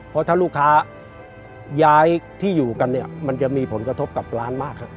เพราะถ้าลูกค้าย้ายที่อยู่กันเนี่ยมันจะมีผลกระทบกับร้านมากครับ